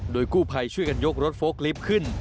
โดยกู้ไภช่วยกันยกรถโฟล์คลิปขึ้น